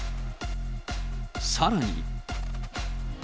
さらに。